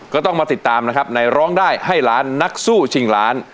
ก็ต้องมาติดตามนะครับในร้องได้ให้ล้านนักสู้ชิงล้าน